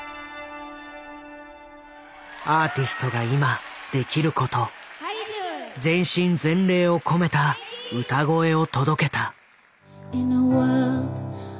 アーティストが今できること全身全霊を込めた歌声を届けた。